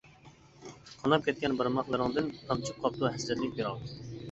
قاناپ كەتكەن بارماقلىرىڭدىن، تامچىپ قاپتۇ ھەسرەتلىك پىراق.